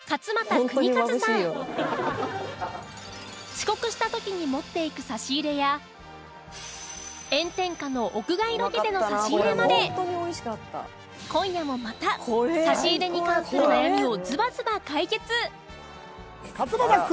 遅刻した時に持っていく差し入れや炎天下の屋外ロケでの差し入れまで今夜もまた差し入れに関する悩みをズバズバ解決！